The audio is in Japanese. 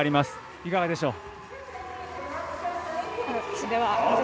いかがでしょうか。